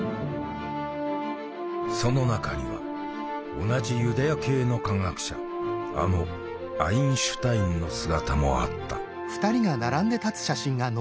その中には同じユダヤ系の科学者あのアインシュタインの姿もあった。